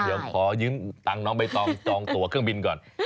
เดี๋ยวขอยืมตังค์น้องใบตองจองตัวเครื่องบินก่อน